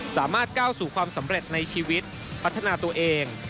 สามารถก้าวสู่ความสำเร็จในชีวิตพัฒนาตัวเอง